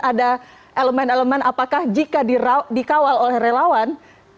ada elemen elemen apakah jika dikawal oleh relawan